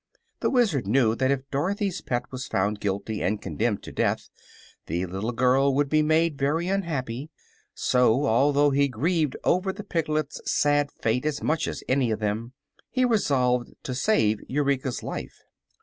The Wizard knew that if Dorothy's pet was found guilty and condemned to death the little girl would be made very unhappy; so, although he grieved over the piglet's sad fate as much as any of them, he resolved to save Eureka's life.